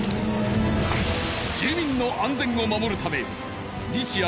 住民の安全を守るため日夜